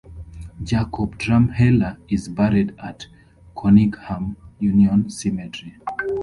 Jacob Drumheller is buried at Conyngham Union Cemetery.